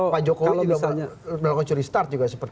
pak jokowi juga melakukan curi star juga